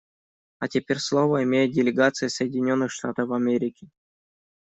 А теперь слово имеет делегация Соединенных Штатов Америки.